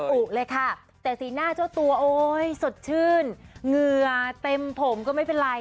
อุเลยค่ะแต่สีหน้าเจ้าตัวโอ๊ยสดชื่นเหงื่อเต็มผมก็ไม่เป็นไร